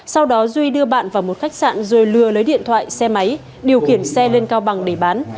sau đó duy đưa bạn vào một khách sạn rồi lừa lấy điện thoại xe máy điều khiển xe lên cao bằng để bán